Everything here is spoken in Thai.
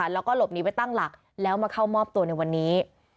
แล้วก็หลบหนีไปตั้งหลักแล้วมาเข้ามอบตัวในวันนี้